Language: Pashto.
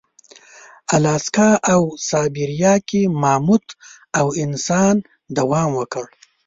الاسکا او سابیریا کې ماموت او انسان دوام وکړ.